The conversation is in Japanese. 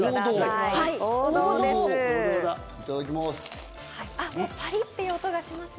いただきます。